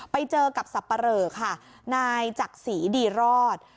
ไปเจอกับสับปะเหลอค่ะนายจักษีดีรอด